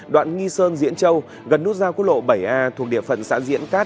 đoạn nghi sơn diễn châu gần nút giao quốc lộ bảy a thuộc địa phận xã diễn cát